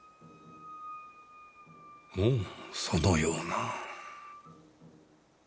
もうそのような。